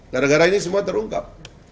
gara gara ini semua terungkap